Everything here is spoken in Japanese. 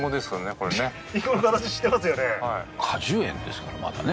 これね果樹園ですからまたね